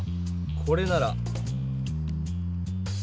これなら。